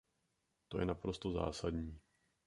To je naprosto zásadní.